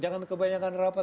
jangan kebanyakan rapat